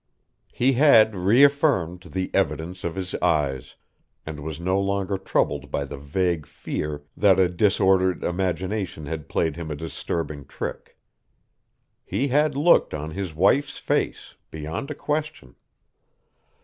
He had reaffirmed the evidence of his eyes, and was no longer troubled by the vague fear that a disordered imagination had played him a disturbing trick. He had looked on his wife's face beyond a question.